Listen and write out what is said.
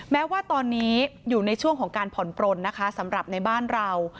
แม้ว่าตอนนี้อยู่ในช่วงของการผ่อนปลนนะคะสำหรับในบ้านเรา